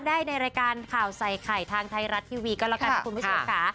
ได้ในรายการข่าวใส่ไข่ทางไทยรัฐทีวีก็แล้วกันนะคุณผู้ชมค่ะ